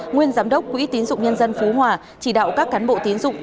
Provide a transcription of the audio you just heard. nguyên giám đốc quỹ tín dụng nhân dân phú hòa chỉ đạo các cán bộ tiến dụng